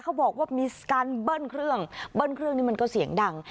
เขาบอกว่ามีการเบิ้ลเครื่องเบิ้ลเครื่องนี้มันก็เสียงดัง